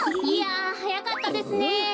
いやはやかったですね。